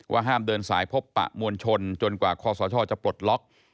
ห้ามเดินสายพบปะมวลชนจนกว่าคอสชจะปลดล็อก